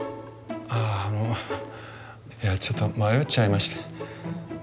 ああのいやちょっと迷っちゃいまして。